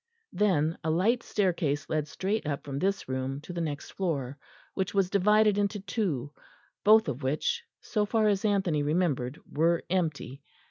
Then a light staircase led straight up from this room to the next floor, which was divided into two, both of which, so far as Anthony remembered, were empty.